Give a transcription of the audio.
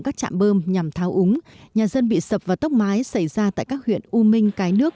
các trạm bơm nhằm tháo úng nhà dân bị sập và tốc mái xảy ra tại các huyện u minh cái nước